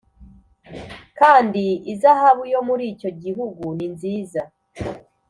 Kandi izahabu yo muri icyo gihugu ni nziza